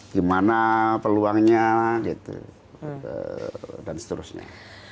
gimana peluangnya gitu dan seterusnya